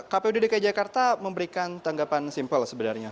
kpu dki jakarta memberikan tanggapan simpel sebenarnya